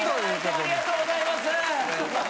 ありがとうございます！